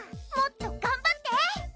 もっと頑張って。